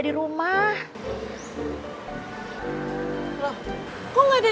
berbalik dulu ke utuhnya